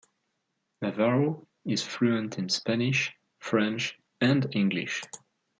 Navarro is fluent in Spanish, French and English.